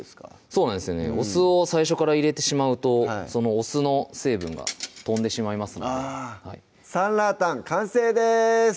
そうなんですよねお酢を最初から入れてしまうとそのお酢の成分が飛んでしまいますので「酸辣湯」完成です